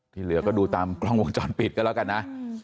เหลือก็ดูตามกล้องวงจรปิดกันแล้วกันนะ